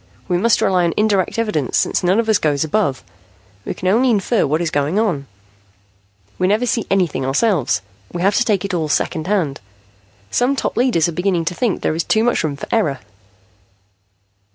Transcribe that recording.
We must rely on indirect evidence, since none of us goes above. We can only infer what is going on. We never see anything ourselves. We have to take it all secondhand. Some top leaders are beginning to think there's too much room for error."